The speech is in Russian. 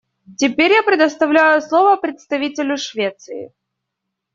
Теперь я предоставляю слово представителю Швеции.